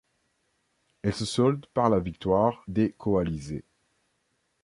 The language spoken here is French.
Elle se solde par la victoire des coalisés.